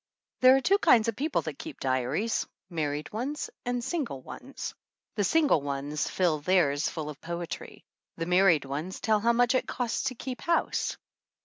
There are two kinds of people that keep dia ries, married ones and single ones. The single ones fill theirs full of poetry ; the married ones tell how much it costs to keep house.